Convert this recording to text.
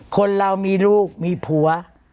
คนเรามีลูกมีผัว